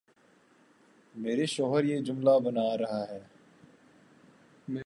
میرے شوہر یہ جملہ بنا رہا ہے